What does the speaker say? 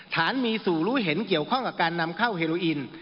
ฐานมีสู่รู้เห็นเกี่ยวข้องกับการนำเข้าเฮโลอิน